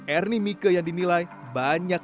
ernie mieke yang dinilai banyak